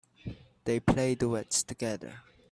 They play duets together.